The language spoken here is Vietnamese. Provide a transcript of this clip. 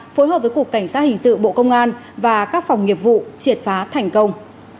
phối hợp với cục cảnh sát hình sự bộ công an và các phòng nghiệp vụ triệt phá thành công